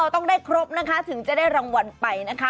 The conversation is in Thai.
ต้องได้ครบนะคะถึงจะได้รางวัลไปนะคะ